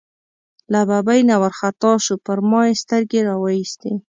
له ببۍ نه وار خطا شو، پر ما یې سترګې را وایستې.